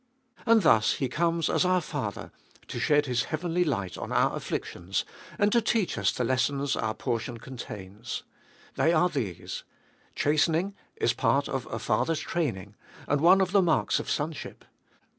And thus He comes as our Father, to shed His heavenly light on our afflictions, and to teach us the lessons our portion contains. They are these. Chastening is a part of a father's training, and one of the marks of sonship.